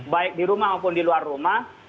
baik di rumah maupun di luar rumah